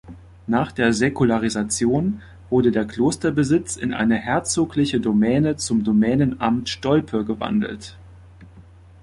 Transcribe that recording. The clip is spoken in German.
Nach der Säkularisation wurde der Klosterbesitz in eine herzogliche Domäne zum Domänenamt Stolpe gewandelt.